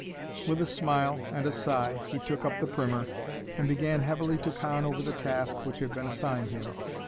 With a smile and a sigh he took up the primer, and began heavily to con over the task which had been assigned him.